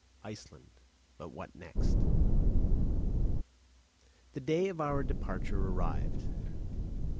ICELAND! BUT WHAT NEXT? The day for our departure arrived.